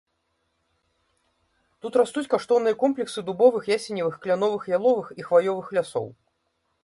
Тут растуць каштоўныя комплексы дубовых, ясеневых, кляновых, яловых і хваёвых лясоў.